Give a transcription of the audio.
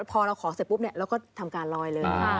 พอเราขอเสร็จปุ๊บเราก็ทำการลอยเลย